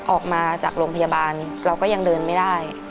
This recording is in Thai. ออกมาจากโรงพยาบาลเราก็ยังเดินไม่ได้